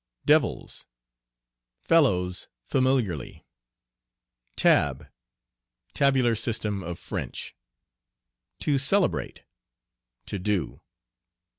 "Devils." Fellows familiarly. "Tab." Tabular system of French. "To celebrate." To do.